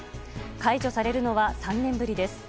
解除されるのは３年ぶりです。